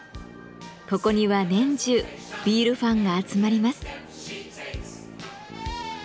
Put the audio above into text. ここには年中ビールファンが集まります。